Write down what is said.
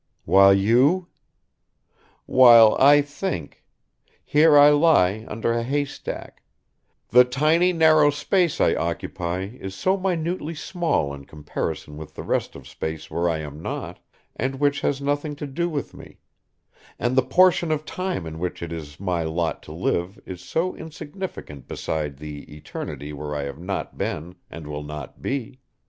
." "While you?" "While I think; here I lie under a haystack ... The tiny narrow space I occupy is so minutely small in comparison with the rest of space where I am not and which has nothing to do with me; and the portion of time in which it is my lot to live is so insignificant beside the eternity where I have not been and will not be